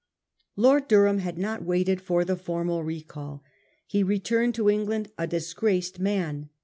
Lord Durham had not waited for the formal recall. He returned to England a disgraced man.